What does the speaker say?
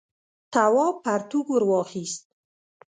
تواب پرتوگ ور واخیست.